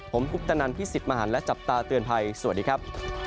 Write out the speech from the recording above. ผมคุปตนันพี่สิทธิ์มหันและจับตาเตือนภัยสวัสดีครับ